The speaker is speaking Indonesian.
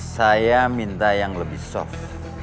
saya minta yang lebih soft